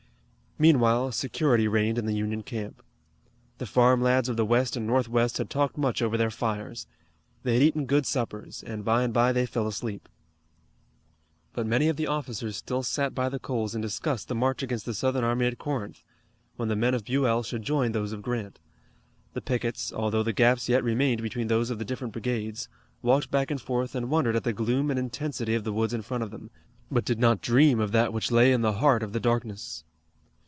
Meanwhile security reigned in the Union camp. The farm lads of the west and northwest had talked much over their fires. They had eaten good suppers, and by and by they fell asleep. But many of the officers still sat by the coals and discussed the march against the Southern army at Corinth, when the men of Buell should join those of Grant. The pickets, although the gaps yet remained between those of the different brigades, walked back and forth and wondered at the gloom and intensity of the woods in front of them, but did not dream of that which lay in the heart of the darkness.